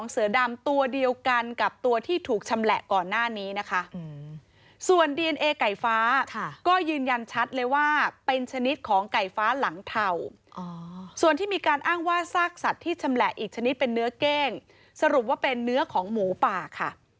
ส่วนดีเอนเอไก่ฟ้าก็ยืนยันชัดเลยว่าเป็นชนิดของไก่ฟ้าหลังเทาส่วนที่มีการอ้างว่าซากสัตว์ที่ชำแหละอีกชนิดเป็นเนื้อเก้งสรุปว่าเป็นเนื้อของหมูป่าค่ะ